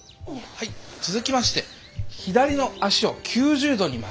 はい続きまして左の足を９０度に曲げて。